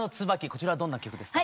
こちらどんな曲ですか？